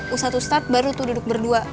ustaz ustaz baru tuh duduk berdua